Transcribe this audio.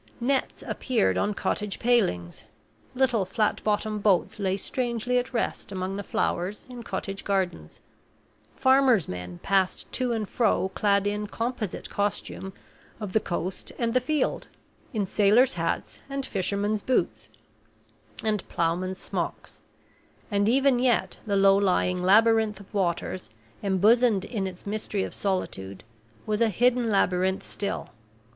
Nets appeared on cottage pailings; little flat bottomed boats lay strangely at rest among the flowers in cottage gardens; farmers' men passed to and fro clad in composite costume of the coast and the field, in sailors' hats, and fishermen's boots, and plowmen's smocks; and even yet the low lying labyrinth of waters, embosomed in its mystery of solitude, was a hidden labyrinth still.